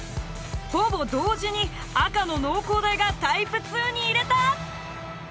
ほぼ同時に赤の農工大がタイプ２に入れた！